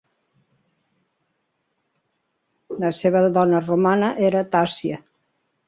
La seva dona romana era Tassia.